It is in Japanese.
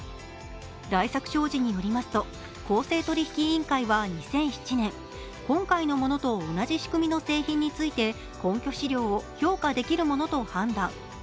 大作商事によりますと、公正取引委員会は２００７年今回のものと同じ仕組みの製品について根拠資料を評価できるものと判断。